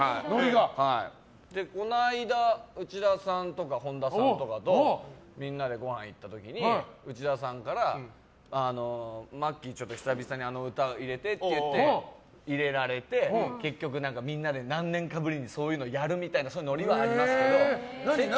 この間内田さんとか本田さんとかとみんなでご飯に行った時に内田さんからマッキー久々にあの歌入れてって言われて入れられて結局みんなで何年かぶりにそういうのをやるみたいなノリはありますけど。